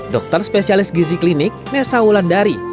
dokter spesialis gizi klinik nessa ulandari